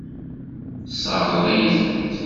Tesseṛɣeḍ-iyi-tent.